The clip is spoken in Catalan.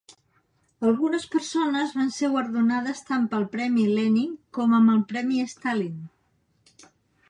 Algunes persones van ser guardonades tant pel premi Lenin com amb el premi Stalin.